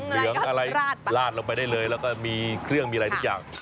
เหลืองอะไรลาดลงไปได้เลยแล้วก็มีเครื่องมีอะไรทุกอย่าง